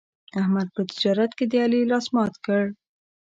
احمد په تجارت کې د علي لاس مات کړ.